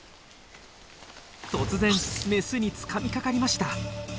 突然メスにつかみかかりました。